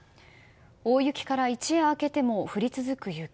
大雪から一夜明けても降り続く雪。